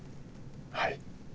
はい。